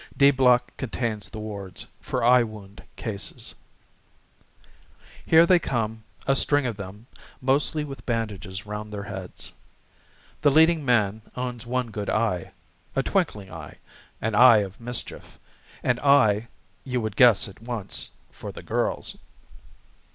"D" Block contains the wards for eye wound cases. Here they come, a string of them, mostly with bandages round their heads. The leading man owns one good eye a twinkling eye an eye of mischief an eye (you would guess at once) for the girls.